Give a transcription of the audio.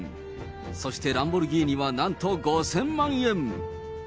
そしてランボルギーニは、なんと５０００万円。